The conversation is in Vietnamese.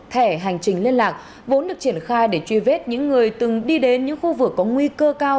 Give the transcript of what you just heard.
thẻ hành trình liên lạc vốn được triển khai để truy vết những người từng đi đến những khu vực có nguy cơ cao